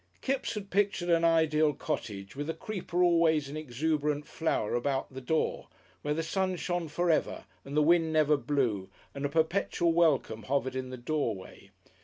Kipps had pictured an ideal cottage, with a creeper always in exuberant flower about the door, where the sun shone forever and the wind never blew and a perpetual welcome hovered in the doorway.